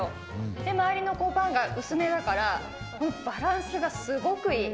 で、周りのパンが薄めだから、バランスがすごくいい。